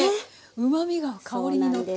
うまみが香りにのってます。